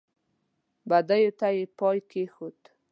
بدیو ته یې پای کېښود.